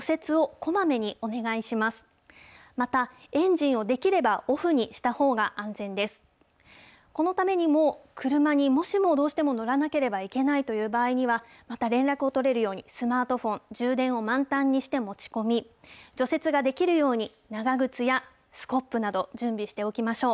このためにも、車にもしもどうしても乗らなければいけないという場合には、また連絡を取れるように、スマートフォン、充電を満タンにして持ち込み、除雪ができるように、長靴やスコップなど準備しておきましょう。